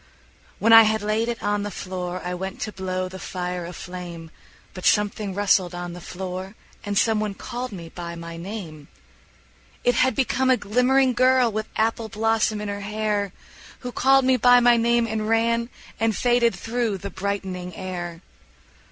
When I had laid it on the floor I went to blow the fire aflame, But something rustled on the floor, And some one called me by my name: It had become a glimmering girl With apple blossom in her hair Who called me by my name and ran And faded through the brightening air.